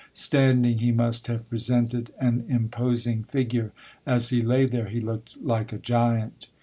Standing he must have presented an imposing figure. As he lay there, he looked like a giant.